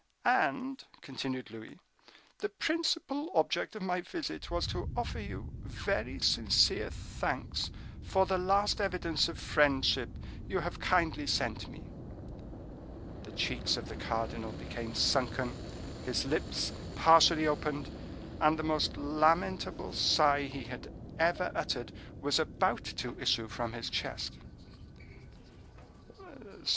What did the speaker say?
"And," continued Louis, "the principal object of my visit was to offer you very sincere thanks for the last evidence of friendship you have kindly sent me." The cheeks of the cardinal became sunken, his lips partially opened, and the most lamentable sigh he had ever uttered was about to issue from his chest.